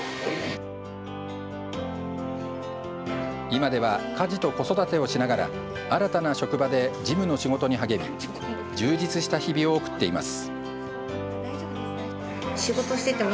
今では家事と子育てをしながら新たな職場で事務の仕事に励み充実した日々を送っています。